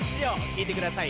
聴いてください